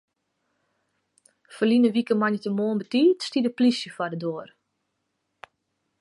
Ferline wike moandeitemoarn betiid stie de plysje foar de doar.